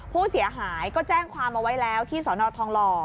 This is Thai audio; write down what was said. ผู้เสียหายก็แจ้งความมาไว้แล้วที่สอนทรทองร